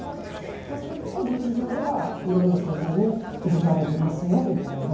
結構劇場ではいろんな先輩にいじられてますよみたいな。